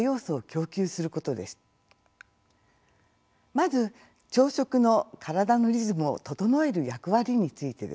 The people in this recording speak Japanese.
まず朝食の体のリズムを整える役割についてです。